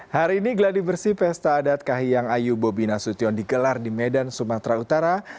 hari ini geladi bersih pesta adat kahiyang ayu bobi nasution digelar di medan sumatera utara